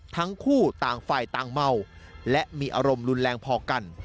ทั้งคู่ต่างฝ่ายต่างเมาและมีอารมณ์รุนแรงพอกัน